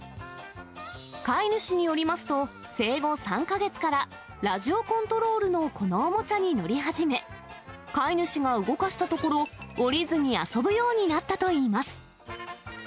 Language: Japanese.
飼い主によりますと、生後３か月から、ラジオコントロールのこのおもちゃに乗り始め、飼い主が動かしたところ、降りずに遊ぶようになったといいます。